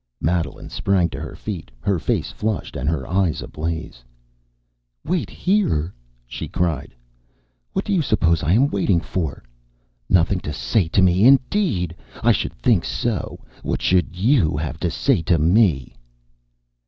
Madeline sprang to her feet, her face flushed and her eyes ablaze. "Wait here!" she cried. "What do you suppose I am waiting for? Nothing to say to me indeed! I should think so! What should you have to say to me?"